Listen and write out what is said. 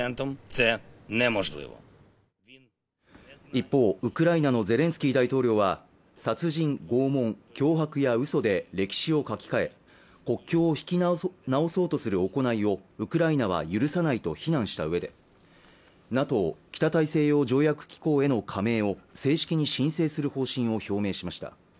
一方ウクライナのゼレンスキー大統領は殺人、拷問、脅迫や嘘で歴史を書き換え国境を引き直そうとする行いをウクライナは許さないと非難したうえでＮＡＴＯ＝北大西洋条約機構への加盟を正式に申請する方針を表明しました